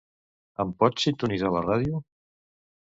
Em pots sintonitzar la ràdio?